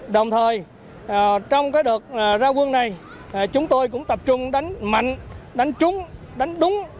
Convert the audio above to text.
đồng thời trong đợt ra quân này chúng tôi cũng tập trung đánh mạnh đánh trúng đánh đúng